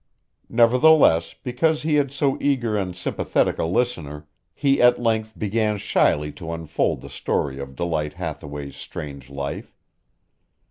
Nevertheless, because he had so eager and sympathetic a listener, he at length began shyly to unfold the story of Delight Hathaway's strange life.